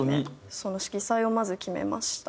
その色彩をまず決めましたね。